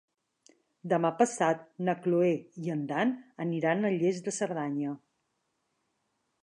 Demà passat na Cloè i en Dan aniran a Lles de Cerdanya.